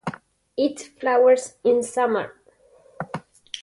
It flowers in summer.